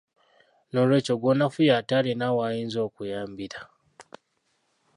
N’olw’ekyo gw’onafuya ate alina w’ayinza okuyambira.